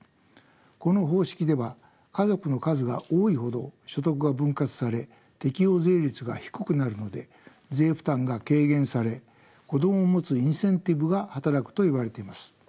この方式では家族の数が多いほど所得が分割され適用税率が低くなるので税負担が軽減され子どもを持つインセンティブが働くといわれています。